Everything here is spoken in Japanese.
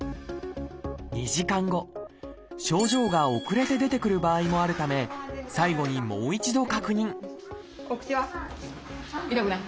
２時間症状が遅れて出てくる場合もあるため最後にもう一度確認お口は？